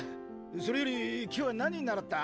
それより今日は何習った？